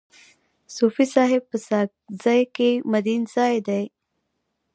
صوفي صاحب په ساکزی کي مندینزای دی.